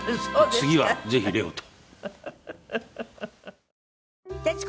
次はぜひレオと。